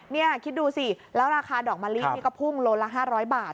นี่คิดดูสิแล้วราคาดอกมะลินี่ก็พุ่งโลละ๕๐๐บาท